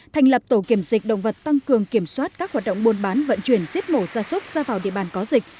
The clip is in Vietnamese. thành lập tổ kiểm dịch động vật tăng cường kiểm soát các hoạt động buôn bán vận chuyển giết mổ ra súc ra vào địa bàn có dịch